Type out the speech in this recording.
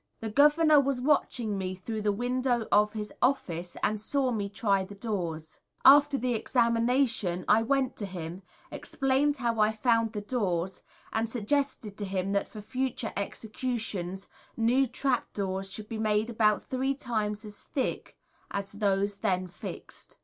The Governor was watching me through the window of his office and saw me try the doors. After the examination I went to him, explained how I found the doors, and suggested to him that for future executions new trap doors should be made about three times as thick as those then fixed.